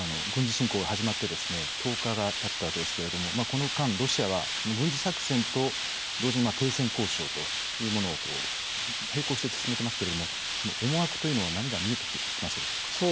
軍事侵攻が始まってですね１０日がたったわけですけれどもこの間ロシアは軍事作戦と同時に停戦交渉というものを並行して進めてますけれどもその思惑というのは何か見えてきましたでしょうか？